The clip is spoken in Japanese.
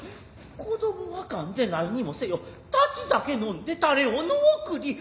子供は頑是ないにもせよ立ち酒呑んで誰を野送り。